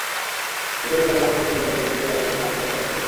ভেতরের কথা মুখ ফসকে বলে ফেলতেই লাজুক হাসিতে মাথা নিচু করেন।